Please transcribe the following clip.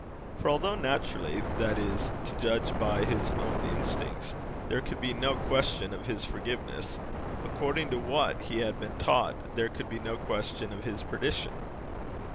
For although naturally, that is, to judge by his own instincts, there could be no question of his forgiveness, according to what he had been taught there could be no question of his perdition.